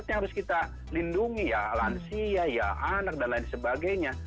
yang harus kita lindungi ya lansia ya anak dan lain sebagainya